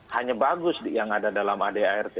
hanya bagus yang ada dalam adart